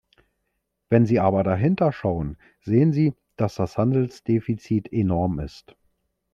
Wenn Sie aber dahinter schauen, sehen Sie, dass das Handelsdefizit enorm ist.